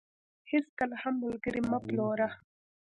هيچ کله هم ملګري مه پلوره .